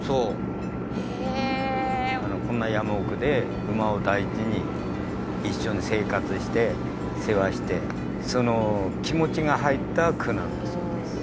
そうへえこんな山奥で馬を大事に一緒に生活して世話してその気持ちが入った句なんだそうです